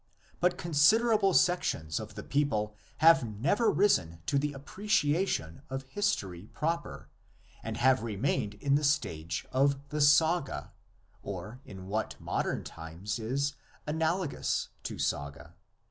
But considerable sec tions of the people have never risen to the apprecia tion of history proper, and have remained in the stage of the saga, or in what in modern times is analogous to saga.